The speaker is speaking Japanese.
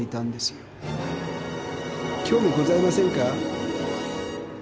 興味ございませんか？